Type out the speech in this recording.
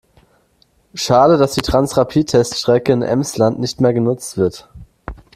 Schade, dass die Transrapid-Teststrecke im Emsland nicht mehr genutzt wird.